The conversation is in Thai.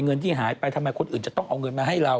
เงินที่หายไปทำไมคนอื่นจะต้องเอาเงินมาให้เรา